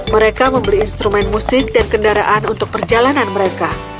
mereka membeli instrumen musik dan kendaraan untuk perjalanan mereka